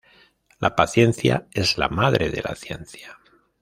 La paciencia es la madre de la ciencia